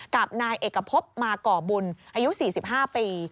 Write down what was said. กับนายเอกพบมาก่อบุญอายุ๔๕ปี